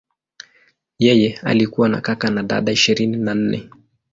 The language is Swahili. Yeye alikuwa na kaka na dada ishirini na nne.